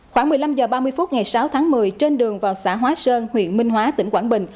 khoảng một mươi năm h ba mươi phút ngày sáu tháng một mươi trên đường vào xã hóa sơn huyện minh hóa tỉnh quảng bình